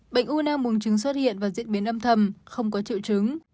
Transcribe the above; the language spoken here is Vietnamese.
bệnh u nang bùng trứng xuất hiện và diễn biến âm thầm không có triệu trứng